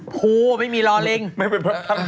ภูลไม่มีรอลิ้ง